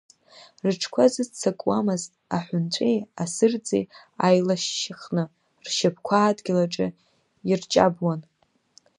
Рыҽқәа зыццакуамызт, аҳәынҵәеи асырӡи аилашьыхны, ршьапқәа адгьыл аҿы ирҷабуан.